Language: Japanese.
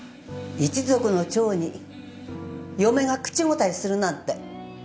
一族の長に嫁が口答えするなんて。